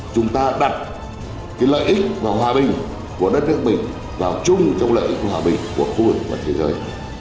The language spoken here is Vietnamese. chúng ta đặt lợi ích và hòa bình của đất nước mình vào chung trong lợi ích hòa bình của khu vực và thế giới